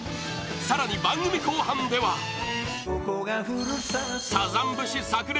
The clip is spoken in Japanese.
更に、番組後半ではサザン節炸裂！